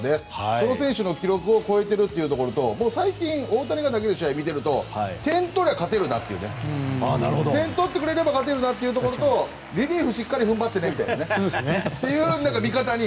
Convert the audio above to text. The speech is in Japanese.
その選手の記録を超えているというところと最近、大谷が投げている試合を見ていると点を取れば勝てるなというところとリリーフしっかり踏ん張ってねという見方に。